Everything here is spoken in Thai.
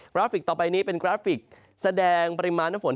ราฟิกต่อไปนี้เป็นกราฟิกแสดงปริมาณน้ำฝน